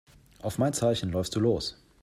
Auf mein Zeichen läufst du los.